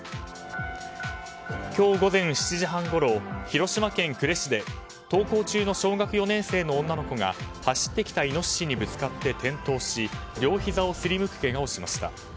今日午前７時半ごろ広島県呉市で登校中の小学４年生の女の子が走ってきたイノシシにぶつかって転倒し両ひざをすりむくけがをしました。